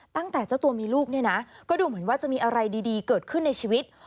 ตั้งแต่เจ้าตัวมีลูกเนี่ยนะก็ดูเหมือนว่าจะมีอะไรดีเกิดขึ้นในชีวิต